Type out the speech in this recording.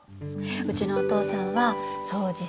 うちのお父さんは掃除